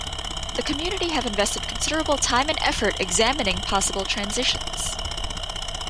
The community have invested considerable time and effort examining possible transitions.